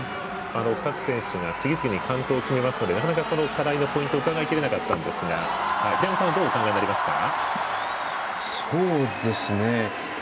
各選手が次々に完登を決めますとなかなか、この課題伺いきれなかったんですがどうお考えになりますか？